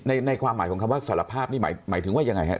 ในความหมายของคำว่าสารภาพนี่หมายถึงว่ายังไงครับ